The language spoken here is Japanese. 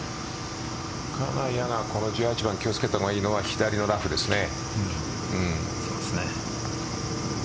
金谷が１８番気を付けたほうがいいのは左のラフですね。